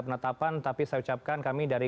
penetapan tapi saya ucapkan kami dari